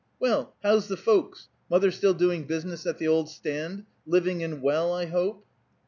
Well, how's the folks? Mother still doing business at the old stand? Living and well, I hope?"